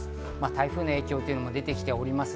台風の影響なども出てきております。